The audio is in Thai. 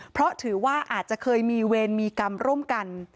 เพราะถือว่าอาจจะเคยมีเวรมีกรรมร่วมกัน